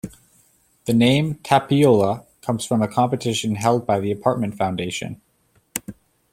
The name Tapiola comes from a competition held by the apartment foundation.